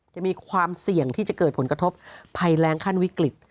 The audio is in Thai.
จะมีความเสี่ยงที่จะเกิดผลกระทบภัยแรงขั้นวิกฤต